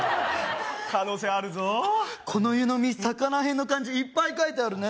可能性あるぞこの湯のみ魚偏の漢字いっぱい書いてあるね